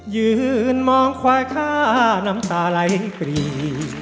ยืนมองควายค่าน้ำตาไหลปรี